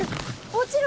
落ちる！